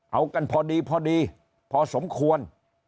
เอากันพอดีพอดีพอสมควร